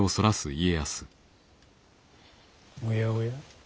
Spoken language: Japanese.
おやおや